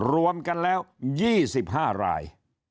รวมกันแล้ว๒๕ราย